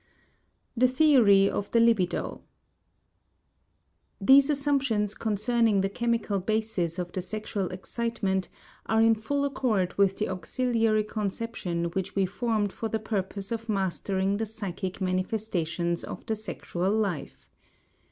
THE THEORY OF THE LIBIDO These assumptions concerning the chemical basis of the sexual excitement are in full accord with the auxiliary conception which we formed for the purpose of mastering the psychic manifestations of the sexual life.